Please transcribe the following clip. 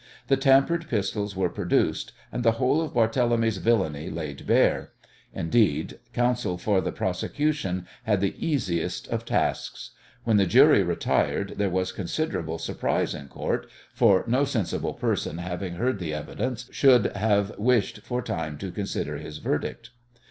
The tampered pistols were produced, and the whole of Barthélemy's villainy laid bare; indeed, Counsel for the prosecution had the easiest of tasks. When the jury retired there was considerable surprise in Court, for no sensible person having heard the evidence should have wished for time to consider his verdict.